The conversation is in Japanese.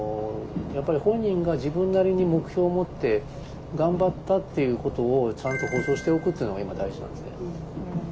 やっぱり本人が自分なりに目標を持って頑張ったっていうことをちゃんと保証しておくっていうのが今大事なんですね。